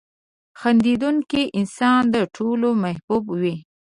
• خندېدونکی انسان د ټولو محبوب وي.